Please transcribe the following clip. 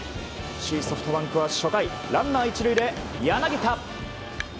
首位ソフトバンクは初回ランナー１塁で柳田。